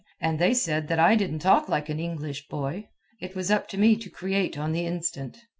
And they said that I didn't talk like an English boy. It was up to me to create on the instant.